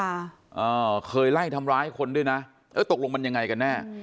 อ่าเคยไล่ทำร้ายคนด้วยนะเออตกลงมันยังไงกันแน่